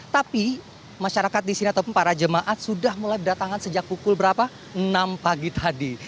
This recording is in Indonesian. tapi masyarakat di sini ataupun para jemaat sudah mulai berdatangan sejak pukul berapa enam pagi tadi